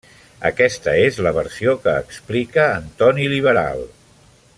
Aquesta és la versió que explica Antoní Liberal.